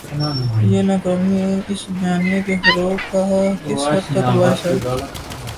یہ ناکامی اس بیانیے کے فروغ کا کس حد تک باعث ہے؟